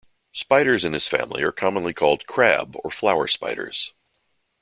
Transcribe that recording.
Spiders in this family are commonly called "crab" or "flower" spiders.